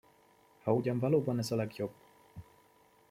Ha ugyan valóban ez a legjobb.